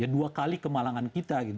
dua kali kemalangan kita